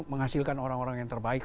menghasilkan orang orang yang terbaik